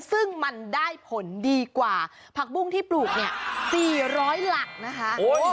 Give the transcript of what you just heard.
ซึ่งมันได้ผลดีกว่าผักบุ้งที่ปลูกเนี่ย๔๐๐หลักนะคะ